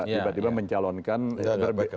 tiba tiba mencalonkan berbeda